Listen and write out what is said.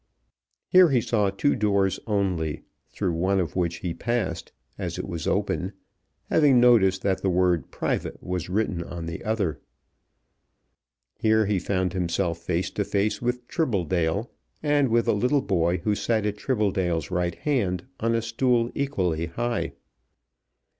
Here he saw two doors only, through one of which he passed, as it was open, having noticed that the word "Private" was written on the other. Here he found himself face to face with Tribbledale and with a little boy who sat at Tribbledale's right hand on a stool equally high.